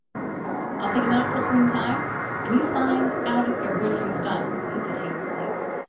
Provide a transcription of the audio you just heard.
I11 pick 'em out for screen types, and you find out if they're good for the stunts," he said hastily.